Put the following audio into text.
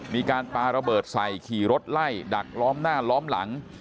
มีการปาระเบิดใส่ขี่รถไล่ดักล้อมหน้าล้อมหลัง